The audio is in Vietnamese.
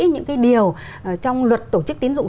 những cái điều trong luật tổ chức tín dụng